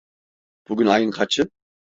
Bugün ayın kaçı?